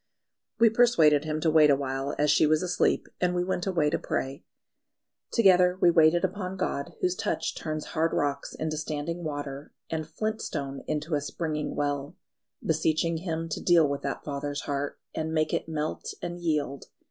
We persuaded him to wait awhile as she was asleep, and we went away to pray. Together we waited upon God, whose touch turns hard rocks into standing water, and flint stone into a springing well, beseeching Him to deal with that father's heart, and make it melt and yield.